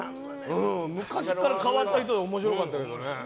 昔から変わった人で面白かったけどね。